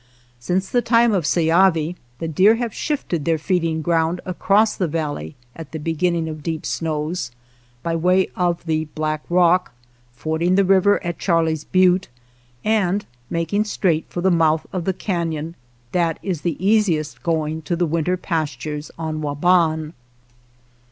Since the time of Seyavi the deer have shifted their feeding ground across the valley at the beginning of deep snows, by way of the Black Rock, fording the river at Charley's 31 WATER TRAILS OF THE CERISO Butte, and making straight for the mouth of the canon that is the easiest going to the winter pastures on Waban.